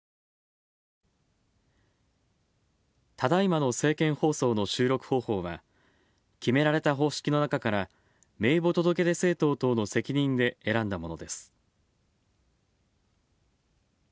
ただいまの政見放送の収録方法は、決められた方式の中から名簿届出政党等の責任で選んだものです。